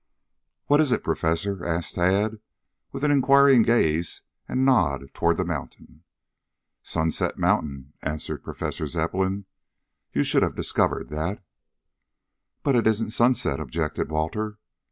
"What is it, Professor?" asked Tad, with an inquiring gaze and nod toward the mountain. "Sunset Mountain," answered Professor Zepplin. "You should have discovered that." "But it isn't sunset," objected Walter.